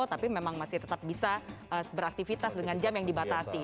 tapi memang masih tetap bisa beraktivitas dengan jam yang dibatasi